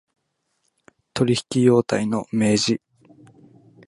取引態様の明示